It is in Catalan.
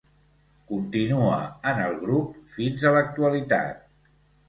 Continua en el grup fins a l'actualitat.